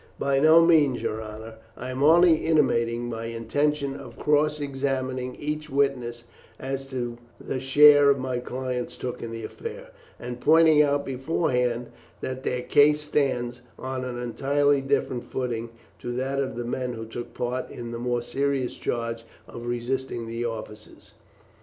"By no means, your honour; I am only intimating my intention of cross examining each witness as to the share my clients took in the affair, and pointing out beforehand that their case stands on an entirely different footing to that of the men who took part in the more serious charge of resisting the officers."